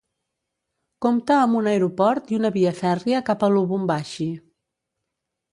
Compta amb un aeroport i una via fèrria cap a Lubumbashi.